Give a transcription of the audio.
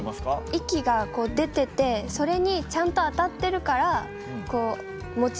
息がこう出ててそれにちゃんと当たってるからこう持ち上がる。